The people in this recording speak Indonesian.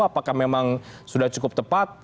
apakah memang sudah cukup tepat